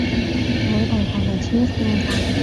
你哋係咪癡線㗎！